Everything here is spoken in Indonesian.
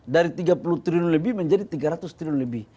dari tiga puluh triliun lebih menjadi tiga ratus triliun lebih